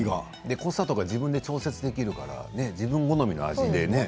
濃さとか自分で調節できるから自分好みの味がね。